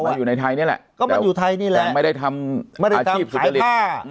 มันอยู่ในไทยนี่แหละก็มันอยู่ไทยนี่แหละแต่ไม่ได้ทำอาชีพสุดฤทธิ์ไม่ได้ทำขายผ้า